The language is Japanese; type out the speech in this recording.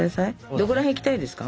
どこら辺行きたいですか？